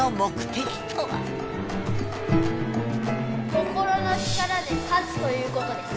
「心の力」で勝つということです。